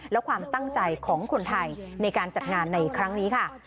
และความตั้งใจของคนไทยในการจัดงานในครั้งนี้ค่ะ